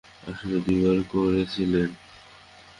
আসলে, দুইবার করেছিলে!